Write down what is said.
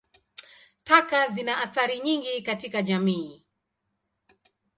Taka zina athari nyingi katika jamii.